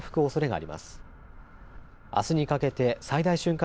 あすにかけて最大瞬間